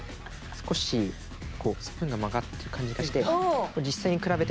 少しスプーンが曲がる感じがして。